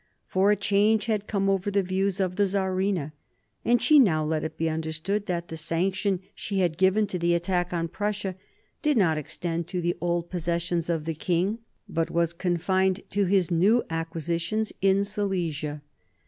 For a change had come over the views of the Czarina, and she now let it be understood that the sanction she had given to the attack on Prussia did not extend to the old possessions of the king, but was confined to his new acquisitions in Silesia.